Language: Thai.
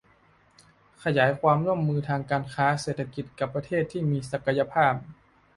ขยายความร่วมมือทางการค้า เศรษฐกิจกับประเทศที่มีศักยภาพ